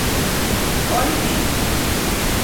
Olti.